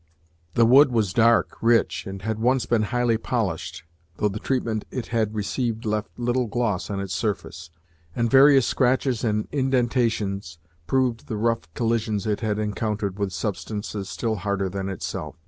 The wood was dark, rich, and had once been highly polished, though the treatment it had received left little gloss on its surface, and various scratches and indentations proved the rough collisions that it had encountered with substances still harder than itself.